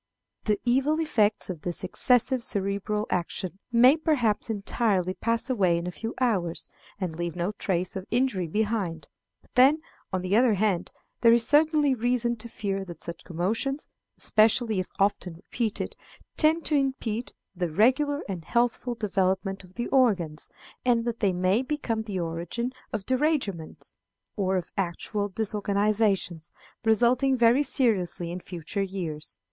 The evil effects of this excessive cerebral action may perhaps entirely pass away in a few hours, and leave no trace of injury behind; but then, on the other hand, there is certainly reason to fear that such commotions, especially if often repeated, tend to impede the regular and healthful development of the organs, and that they may become the origin of derangements, or of actual disorganizations, resulting very seriously in future years.